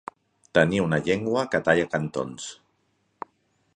Tenir una llengua que talla cantons.